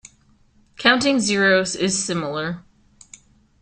Counting zeros is similar.